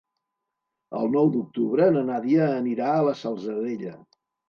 El nou d'octubre na Nàdia anirà a la Salzadella.